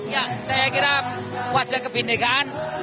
ya saya kira wajah kebinekaan